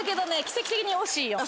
奇跡的に惜しいよ。